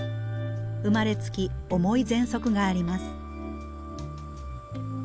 生まれつき重いぜんそくがあります。